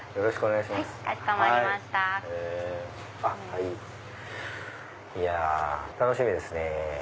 いや楽しみですね。